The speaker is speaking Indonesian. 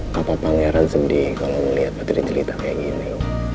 papa pangeran sedih kalau ngeliat putri jelita kayak gini